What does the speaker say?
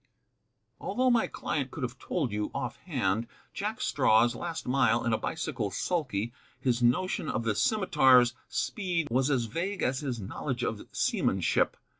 Although my client could have told you, offhand, Jackstraw's last mile in a bicycle sulky, his notion of the Scimitar's speed was as vague as his knowledge of seamanship.